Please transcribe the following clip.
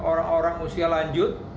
orang orang usia lanjut di atas umur